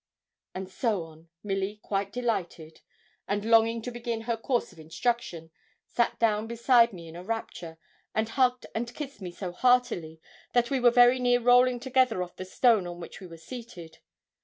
And so on, Milly, quite delighted, and longing to begin her course of instruction, sat down beside me in a rapture, and hugged and kissed me so heartily that we were very near rolling together off the stone on which we were seated.